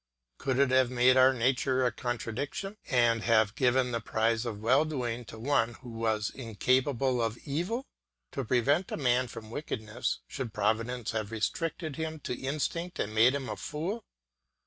Could it have made our nature a contradiction, and have given the prize of well doing to one who was incapable of evil? To prevent a man from wickedness, should Providence have restricted him to instinct and made him a fool?